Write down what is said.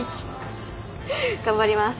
頑張ります。